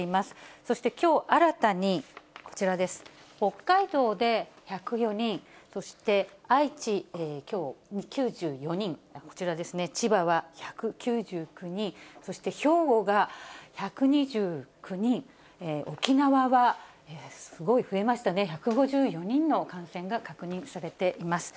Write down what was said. そして、きょう新たにこちらです、北海道で１０４人、そして、愛知、きょう９４人、こちらですね、千葉は１９９人、そして兵庫が１２９人、沖縄はすごい増えましたね、１５４人の感染が確認されています。